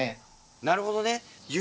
なるほどね！